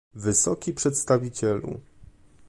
Wysoki Przedstawicielu